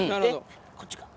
こっちか。